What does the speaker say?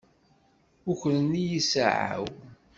Ukren-iyi ssaɛa-w.